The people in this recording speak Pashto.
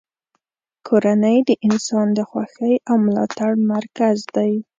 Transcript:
کورنۍ د انسان د خوښۍ او ملاتړ مرکز دی.